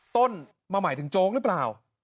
ต้นมาหมายถึงโจ๊กหรือเปล่า